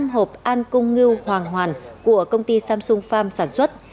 một trăm linh hộp an cung ngư hoàng hoàn của công ty samsung farm sản xuất